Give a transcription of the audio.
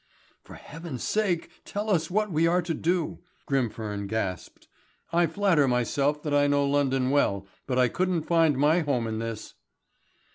"For Heaven's sake tell us what we are to do," Grimfern gasped. "I flatter myself that I know London well, but I couldn't find my way home in this."